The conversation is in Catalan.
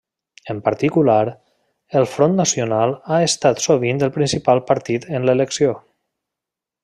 En particular, el Front Nacional ha estat sovint el principal partit en l'elecció.